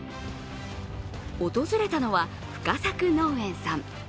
訪れたのは、深作農園さん。